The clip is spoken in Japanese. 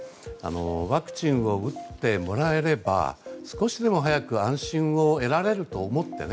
ワクチンを打ってもらえれば少しでも早く安心を得られると思ってね